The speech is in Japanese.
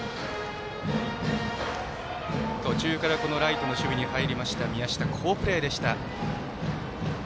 途中からライトの守備に入りました宮下、好プレーでした。